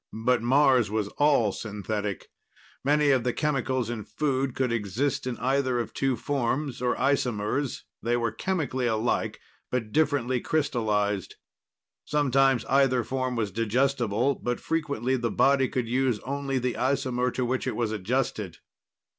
But Mars was all synthetic. Many of the chemicals in food could exist in either of two forms, or isomers; they were chemically alike, but differently crystallized. Sometimes either form was digestible, but frequently the body could use only the isomer to which it was adjusted.